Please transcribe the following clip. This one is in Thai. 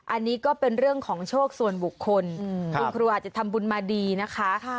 อันนี้ก็เป็นเรื่องของโชคส่วนบุคคลคุณครูอาจจะทำบุญมาดีนะคะ